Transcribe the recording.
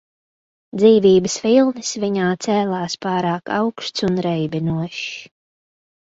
Dzīvības vilnis viņā cēlās pārāk augsts un reibinošs.